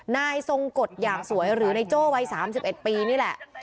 นายทรงกฎอย่างสวยหรือในโจ้วัยสามสิบเอ็ดปีนี่แหละ